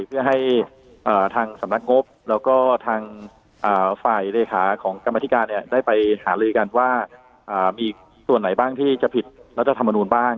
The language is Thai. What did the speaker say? เพื่อให้ทางสำนักงบแล้วก็ทางฝ่ายเลขาของกรรมธิการได้ไปหาลือกันว่ามีส่วนไหนบ้างที่จะผิดรัฐธรรมนูลบ้าง